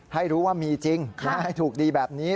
ให้รู้ว่ามีจริงให้ถูกดีแบบนี้